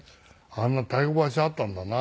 あんな太鼓橋あったんだな。